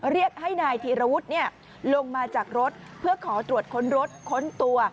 เรียกให้นายธีรวุฒิลงมาจากรถเพื่อขอตรวจค้นรถค้นตัว